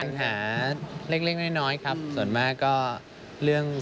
ปัญหาเล็กเล็กน้อยครับส่วนมากก็เรื่อง